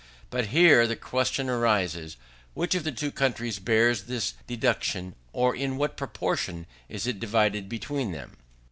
But here the question arises, which of the two countries bears this deduction, or in what proportion it is divided between them.